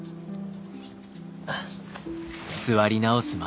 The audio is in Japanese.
あっ。